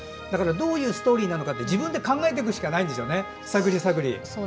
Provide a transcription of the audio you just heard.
だからどういうストーリーなのかって自分で考えていくしかないんですよね、探り探り。